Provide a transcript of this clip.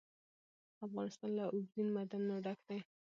افغانستان له اوبزین معدنونه ډک دی.